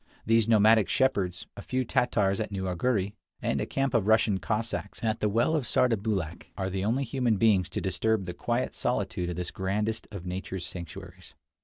These nomadic shepherds, a few Tatars at New Arghuri, and a camp of Russian Cossacks at the well of Sardarbulakh, are the only human beings to disturb the quiet solitude of this grandest of nature's sanctuaries.